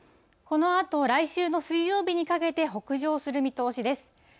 このあと、来週の水曜日にかけて北上する見通しです。